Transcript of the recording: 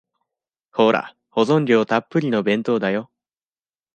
ほら、保存料たっぷりの弁当だよ。